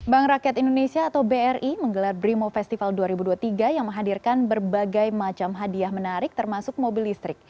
bank rakyat indonesia atau bri menggelar brimo festival dua ribu dua puluh tiga yang menghadirkan berbagai macam hadiah menarik termasuk mobil listrik